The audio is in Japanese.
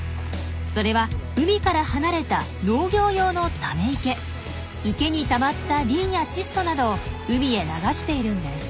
それは海から離れた池にたまったリンや窒素などを海へ流しているんです。